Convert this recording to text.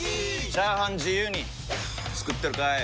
チャーハン自由に作ってるかい！？